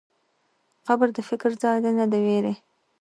قبر د فکر ځای دی، نه د وېرې.